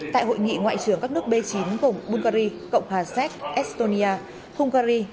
tại hội nghị ngoại trưởng các nước b chín cùng bungary cộng hòa czech estonia hungary